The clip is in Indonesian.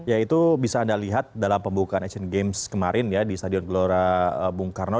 ya itu bisa anda lihat dalam pembukaan asian games kemarin ya di stadion gelora bung karno